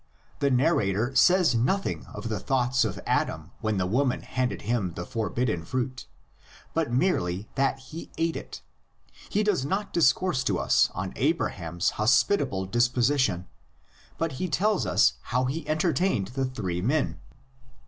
The narrator says nothing of the thoughts of Adam when LITER A R V FORM OF THE LEGENDS. 61 the woman handed him the forbidden fruit, but merely, that he ate it; he does not discourse to us on Abraham's hospitable disposition, but he tells us how he entertained the three men.